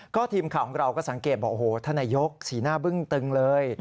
ก็ทีมข่าวของเราก็สังเกตบอกโอ้โหท่านนายกสีหน้าบึ้งตึงเลย